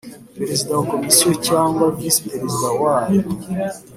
Perezida wa komisiyo cyangwa visi perezida wayo